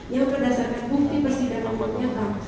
yang berdasarkan bukti persidangan